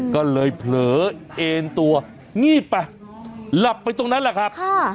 ก็เลยเผลอเอ็นตัวงีบไปหลับไปตรงนั้นแหละครับ